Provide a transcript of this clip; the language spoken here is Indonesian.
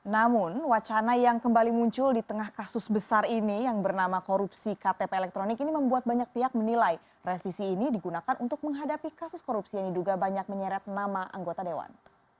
namun wacana yang kembali muncul di tengah kasus besar ini yang bernama korupsi ktp elektronik ini membuat banyak pihak menilai revisi ini digunakan untuk menghadapi kasus korupsi yang diduga banyak menyeret nama anggota dewan